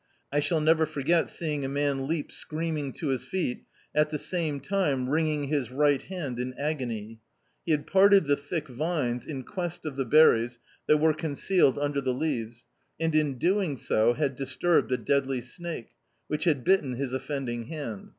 I shall never forget seeing a man leap screaming to his feet, at the same time wringing his right hand in agony. He had parted the thick vines, in quest of the berries that were concealed under the leaves, and in doing so, had disturbed a deadly snake, which had bitten his offending hand.